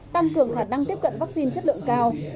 tăng cường khả năng tiếp cận vaccine chất lượng cao